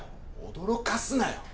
驚かすなよ！